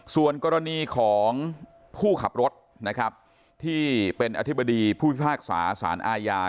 ส่วนกรณีของผู้ขับรถนะครับที่เป็นอธิบดีผู้พิพากษาสารอาญา